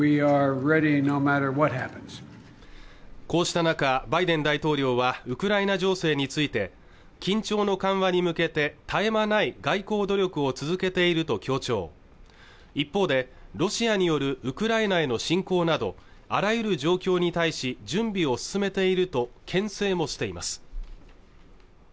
こうした中バイデン大統領はウクライナ情勢について緊張の緩和に向けて絶え間ない外交努力を続けていると強調一方でロシアによるウクライナへの侵攻などあらゆる状況に対し準備を進めているとけん制もしています